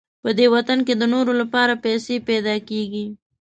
په دې وطن کې د نورو لپاره پیسې پیدا کېږي.